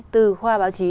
từ khoa báo chí